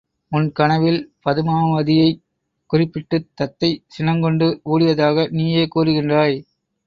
உன் கனவில் பதுமாபதியைக் குறிப்பிட்டுத் தத்தை சினங்கொண்டு ஊடியதாக நீயே கூறுகின்றாய்!